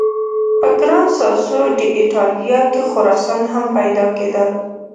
په ګران ساسو ډي ایټالیا کې خرسان هم پیدا کېدل.